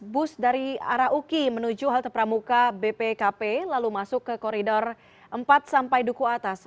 bus dari arah uki menuju halte pramuka bpkp lalu masuk ke koridor empat sampai duku atas